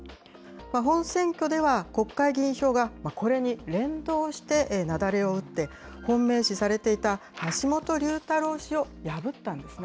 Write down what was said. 本選挙では国会議員票がこれに連動して雪崩を打って、本命視されていた橋本龍太郎氏を破ったんですね。